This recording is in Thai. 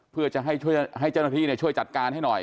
เพื่อจะให้เจ้าหน้าที่ช่วยจัดการให้หน่อย